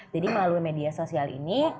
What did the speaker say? jadi melalui media sosial ini